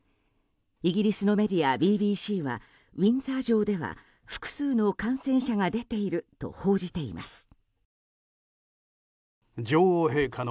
イギリスのメディアＢＢＣはウィンザー城では複数の感染者が出ていると報じています。